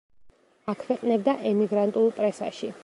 აქვეყნებდა ემიგრანტულ პრესაში.